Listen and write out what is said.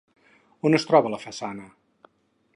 On es troba la façana?